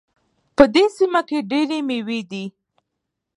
په دې سیمه کې ډېري میوې دي